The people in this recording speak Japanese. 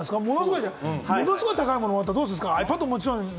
ものすごい高いものをもらったらどうするんですか？